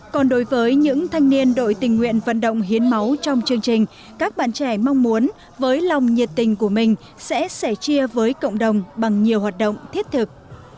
còn đối với những thanh niên đội tình nguyện vận động hiến máu trong chương trình các bạn trẻ mong muốn với lòng nhiệt tình của mình sẽ sẻ chia với cộng đồng bằng nhiều hoạt động thiết thực